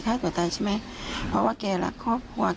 ฆ่าตัวตายใช่ไหมเพราะว่าแกรักครอบครัว